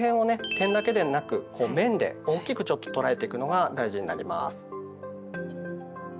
点だけでなく面で大きくちょっと捉えていくのが大事になります。